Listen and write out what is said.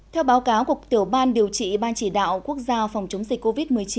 theo báo cáo của tiểu ban điều trị ban chỉ đạo quốc gia phòng chống dịch covid một mươi chín